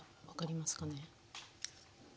分かりますかね？